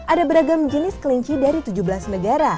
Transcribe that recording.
ada beragam jenis kelinci dari tujuh belas negara